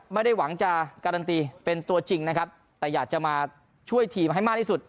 ไม่ได้หวังจะการันตีเป็นตัวจริงนะครับแต่อยากจะมาช่วยทีมให้มากที่สุด